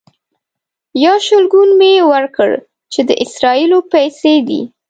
یو شلګون مې ورکړ چې د اسرائیلو پیسې دي.